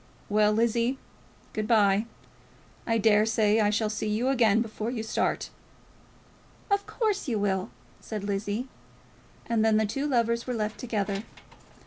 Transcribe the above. "Well, Lizzie, good bye. I dare say I shall see you again before you start." "Of course you will," said Lizzie. And then the two lovers were left together.